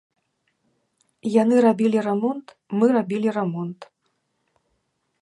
Яны рабілі рамонт, мы рабілі рамонт.